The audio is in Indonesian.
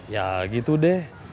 ya gitu deh